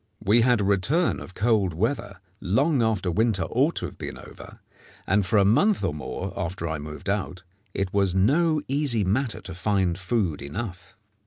We had a return of cold weather long after winter ought to have been over, and for a month or more after I moved out it was no easy matter to find food enough.